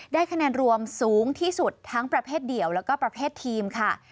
คะแนนรวมสูงที่สุดทั้งประเภทเดียวแล้วก็ประเภททีมค่ะ